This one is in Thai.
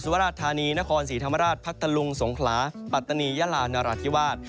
ราชธานีนครศรีธรรมราชพัทธลุงสงขลาปัตตานียาลานราธิวาส